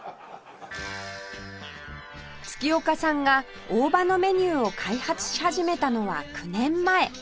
月岡さんが大葉のメニューを開発し始めたのは９年前